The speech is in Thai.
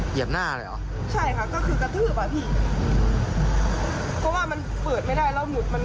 เหยียบหน้าเลยเหรอ